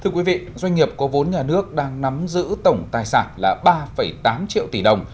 thưa quý vị doanh nghiệp có vốn nhà nước đang nắm giữ tổng tài sản là ba tám triệu tỷ đồng